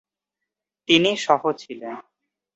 তিনি সহ-ছিলেন।